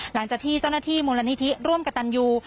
หลังจากที่เจ้าหน้าที่มูลนิธิร่วมกับตันยู